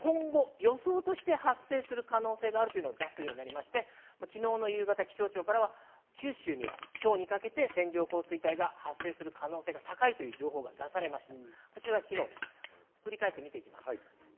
今年からは線状降水帯が今後、予想として発生する可能性があるというのを出すようになりまして、昨日夕方、気象庁からは九州、今日にかけて線状降水帯が発生する可能性が高いという情報が出されました。